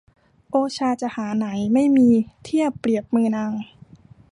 โอชาจะหาไหน ไม่มีเทียบเปรียบมือนาง